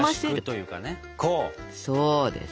そうです。